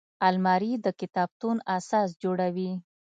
الماري د کتابتون اساس جوړوي